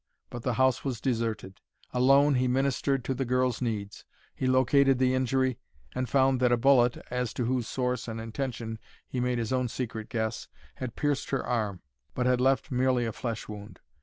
But the house was deserted. Alone, he ministered to the girl's needs. He located the injury, and found that a bullet, as to whose source and intention he made his own secret guess, had pierced her arm, but had left merely a flesh wound.